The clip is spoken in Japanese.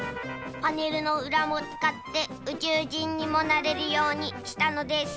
パネルのうらもつかってうちゅうじんにもなれるようにしたのです。